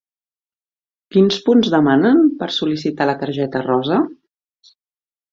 Quins punts demanen per sol·licitar la targeta rosa?